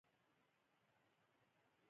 چې د غټې تيږې تر شا چرګوړو ته وه.